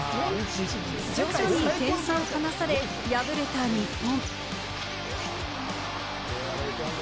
徐々に点差を離され、敗れた日本。